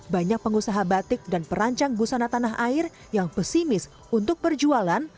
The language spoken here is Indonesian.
banyak pengusaha batik dan perancang busana tanah air yang pesimis untuk berjualan